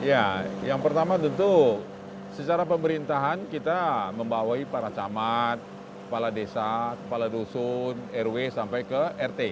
ya yang pertama tentu secara pemerintahan kita membawai para camat kepala desa kepala dusun rw sampai ke rt